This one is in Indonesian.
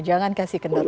jangan kasih kendur